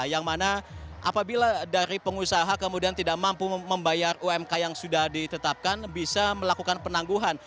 yang mana apabila dari pengusaha kemudian tidak mampu membayar umk yang sudah ditetapkan bisa melakukan penangguhan